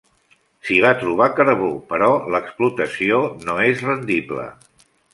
S'hi va trobar carbó però l'explotació no és rendible.